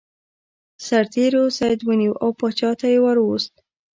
سرتیرو سید ونیو او پاچا ته یې ور وست.